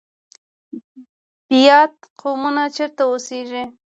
بیات قومونه چیرته اوسیږي؟